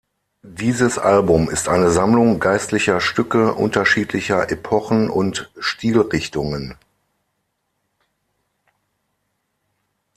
Dieses Album ist eine Sammlung geistlicher Stücke unterschiedlicher Epochen und Stilrichtungen.